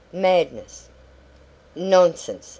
"Madness." "Nonsense!